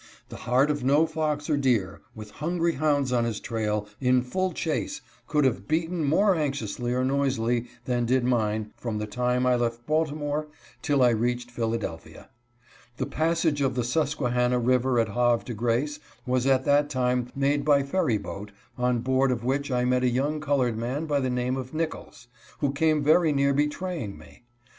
The heart of no fox or deer, with hungry hounds on his trail, in full chase, could have beaten more anxiously or noisily than did mine from the time I left Baltimore till I reached Philadelphia. The passage of the Susquehanna river at Havre de Grace was at that time made by ferry boat, on board of which I met a young colored man by the name of Nichols, who came very near betraying me.